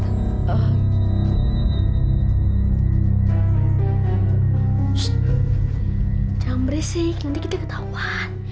sus jangan berisik nanti kita ketawa